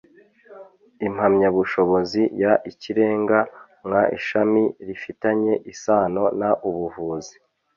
Impamyabushobozi y ikirenga mw ishami rifitanye isano n ubuvuzi